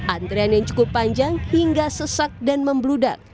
antrean yang cukup panjang hingga sesak dan membludak